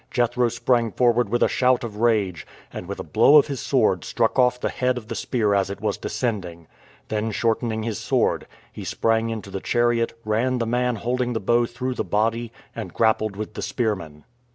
Jethro sprang forward with a shout of rage, and with a blow of his sword struck off the head of the spear as it was descending. Then shortening his sword, he sprang into the chariot, ran the man holding the bow through the body, and grappled with the spearman.